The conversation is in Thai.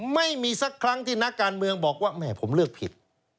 ไม่มีสักครั้งที่นักการเมืองบอกว่าแม่ผมเลือกผิด